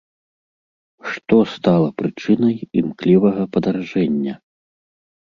Што стала прычынай імклівага падаражэння?